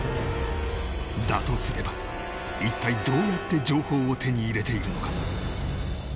だとすれば一体どうやって情報を手に入れているのか？